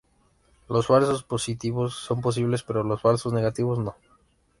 Los falsos positivos son posibles pero los falsos negativos no.